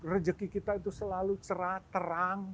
rezeki kita itu selalu cerah terang